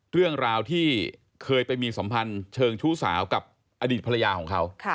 เรื่องราวที่เคยไปมีสัมพันธ์เชิงชู้สาวกับอดีตภรรยาของเขา